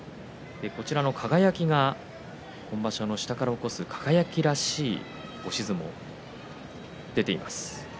輝が今場所、下から起こす輝らしい押し相撲が出ています。